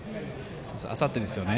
あさってですよね。